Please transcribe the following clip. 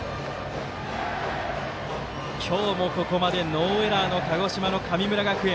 今日もここまでノーエラーの鹿児島、神村学園。